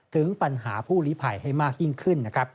ถึงปัญหาผู้หลีภัยให้มากยิ่งขึ้น